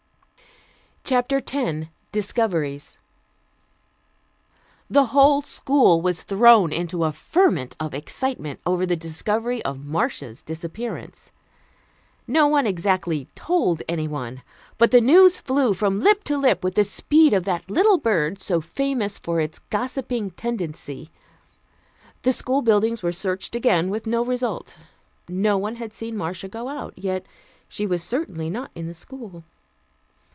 CHAPTER X DISCOVERIES The whole school was thrown into a ferment of excitement over the discovery of Marcia's disappearance. No one exactly told anyone, but the news flew from lip to lip with the speed of that little bird so famous for its gossiping tendency. The school buildings were searched again, with no result. No one had seen Marcia go out; yet she was certainly not in the school.